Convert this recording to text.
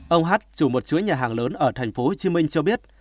ông hát chủ một chuỗi nhà hàng lớn ở tp hcm cho biết